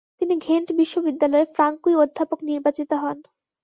তিনি ঘেন্ট বিশ্ববিদ্যালয়ে ফ্রাঙ্কুই অধ্যাপক নির্বাচিত হন।